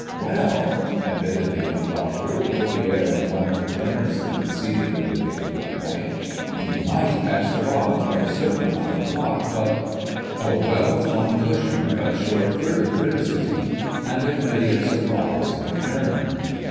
"Well," admitted the Young Doctor, with the air of one generously conceding a debatable point, "you might catch the bottom, with a certain amount of luck, but—" a well flung cushion cut short further criticism, and the Committee of Supplies adjourned.